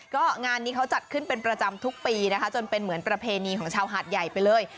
ก็งานนี้เขาจัดขึ้นเป็นประจำทุกปีนะคะจนเป็นเหมือนประเพณีของชาวหาดใหญ่ไปเลย